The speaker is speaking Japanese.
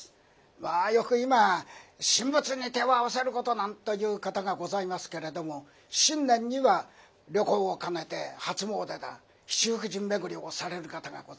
まあよく今神仏に手を合わせることなんていう方がございますけれども新年には旅行を兼ねて初詣だ七福神巡りをされる方がございます。